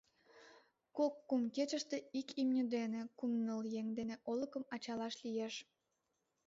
Кок-кум кечыште ик имне дене, кум-ныл еҥ дене олыкым ачалаш лиеш.